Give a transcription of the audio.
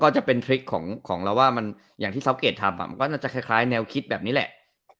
ก็จะเป็นทริคของเราว่ามันอย่างที่ซาวเกดทำมันก็น่าจะคล้ายแนวคิดแบบนี้แหละ